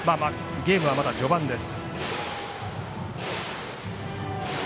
ゲームは、まだ序盤です。